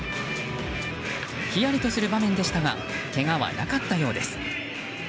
ひやりとする場面でしたがけがはなかったようです。